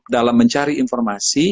dalam mencari informasi